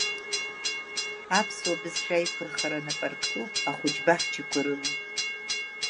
Аԥсуа бызшәа аиқәырхара нап арктәуп ахәыҷбаҳчақәа рыла.